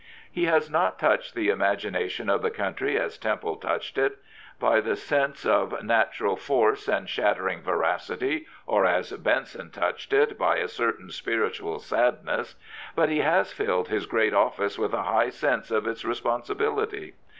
He has not touched the imagination of the country as Temple touched it, by the sense of natural force and shattering veracity, or as Benson touched it, by a certauT spiritual sadness; but he has filled his great office with a high sense of its responsibility.